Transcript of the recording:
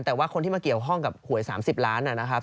แต่ว่าคนที่มาเกี่ยวข้องกับหวย๓๐ล้านนะครับ